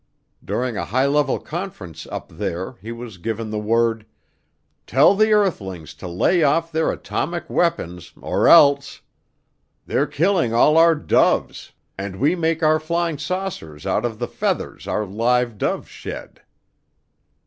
During a high level conference up there he was given the word: Tell the earthlings to lay off their atomic weapons, or else. They're killing all our doves and we make our flying saucers out of the feathers our live doves shed.